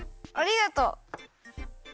ありがとう！